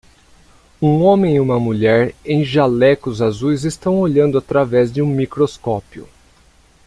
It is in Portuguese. Um homem e uma mulher em jalecos azuis estão olhando através de um microscópio.